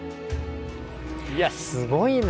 いやすごいな。